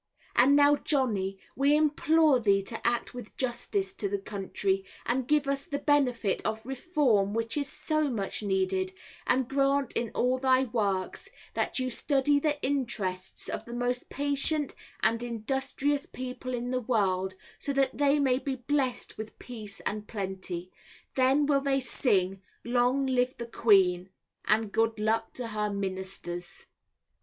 And now, Johnny, we implore thee to act with justice to the country, and give us the benefit of Reform which is so much needed, and grant in all thy works, that you study the interests of the most patient and industrious people in the world, so that they may be blessed with peace and plenty, then will they sing, Long live the Queen, and good luck to her ministers.